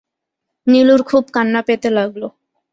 নীলুর খুব কান্না পেতে লাগল।